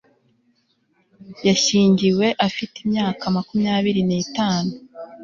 yashyingiwe afite imyaka makumyabiri n'itanu